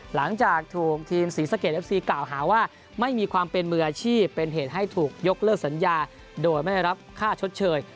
หลังจากถูกทีมศรีสะเกดเอฟซีกล่าวหาว่าไม่มีความเป็นมืออาชีพเป็นเหตุให้ถูกยกเลิกสัญญาโดยไม่ได้รับค่าชดเชย